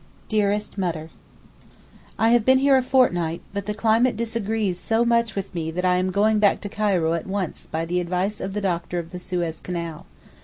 DEAREST MUTTER, I have been here a fortnight, but the climate disagrees so much with me that I am going back to Cairo at once by the advice of the doctor of the Suez Canal.